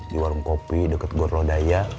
di warung kopi dekat gorodaya